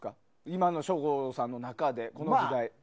今の省吾さんの中で、この時代。